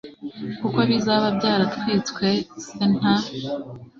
kuko bizaba byaratwitswe c nta